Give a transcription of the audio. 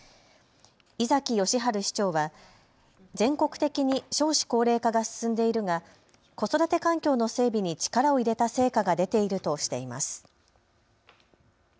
井崎義治市長は全国的に少子高齢化が進んでいるが子育て環境の整備に力を入れた成果が出ているとしています。